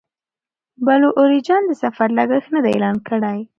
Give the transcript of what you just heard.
بلو اوریجن د سفر لګښت نه دی اعلان کړی.